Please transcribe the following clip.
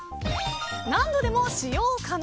何度でも使用可能。